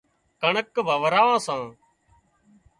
ڪڻڪ واوران سان